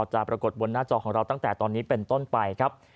ปรากฏบนหน้าจอของเราตั้งแต่ตอนนี้เป็นต้นไปครับ